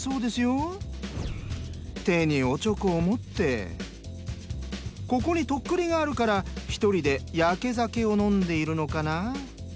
手にお猪口を持ってここに徳利があるから一人でヤケ酒を飲んでいるのかな？